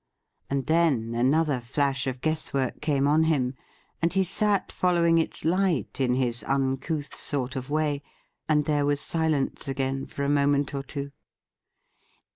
And then another flash of guesswork came on him, and he sat following its light in his uncouth sort of way, £ind there was silence again for a moment or two.